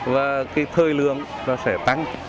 và thời lượng sẽ tăng